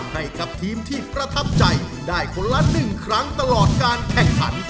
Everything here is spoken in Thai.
ให้กับทีมที่ประทับใจได้คนละ๑ครั้งตลอดการแข่งขัน